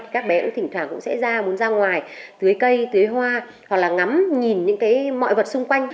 các bé cũng thỉnh thoảng cũng sẽ ra muốn ra ngoài tưới cây tưới hoa hoặc là ngắm nhìn những cái mọi vật xung quanh